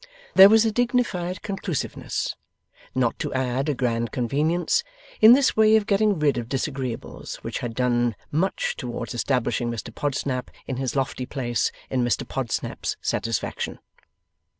There was a dignified conclusiveness not to add a grand convenience in this way of getting rid of disagreeables which had done much towards establishing Mr Podsnap in his lofty place in Mr Podsnap's satisfaction.